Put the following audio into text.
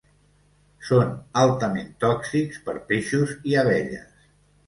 Són altament tòxics per peixos i abelles.